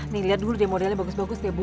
nih liat dulu deh modelnya bagus bagus deh bu